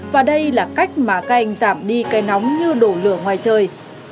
và đây là cách mà cành giảm đi cây nóng như đổ lửa ngoài trời